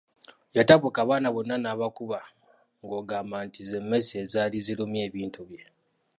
Yatabuka abaana bonna n’abakuba ng’ogamba nti z’emmesse ezaali zirumye ebintu bye.